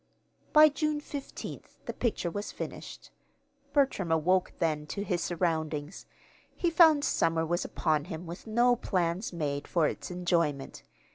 By June fifteenth the picture was finished. Bertram awoke then to his surroundings. He found summer was upon him with no plans made for its enjoyment.